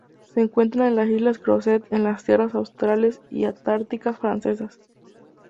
Se encuentra en las Islas Crozet en las Tierras Australes y Antárticas Francesas.